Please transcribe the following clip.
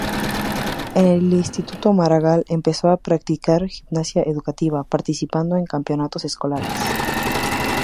En el Instituto Maragall empezó a practicar gimnasia educativa, participando en campeonatos escolares.